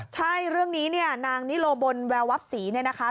ใช่เรื่องนี้นางนิโลบลแวววัลป์ศรีนะคะ